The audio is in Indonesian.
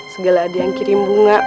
segala adiang kirim bunga